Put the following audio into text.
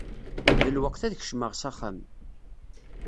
D lweqt ad kecmeɣ s axxam.